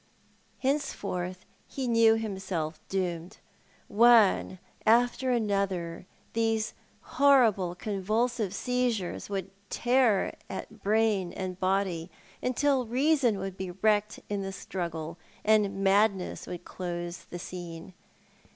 Henceforth he knew himself doomed. One after another these horrible con vulsive seizures would tear at brain and body, until reason would be wrecked in the struggle, and madness would close the scene.